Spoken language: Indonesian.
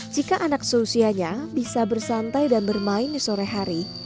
jika anak seusianya bisa bersantai dan bermain di sore hari